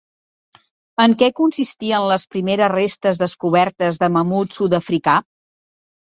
En què consistien les primeres restes descobertes de mamut sud-africà?